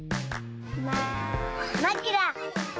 ままくら！